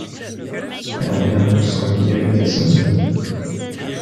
Ɛni xuṣṣen-ken yerkasen?